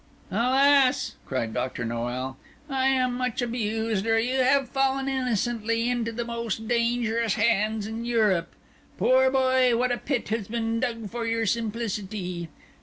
"Alas!" cried Dr. Noel, "I am much abused, or you have fallen innocently into the most dangerous hands in Europe. Poor boy, what a pit has been dug for your simplicity!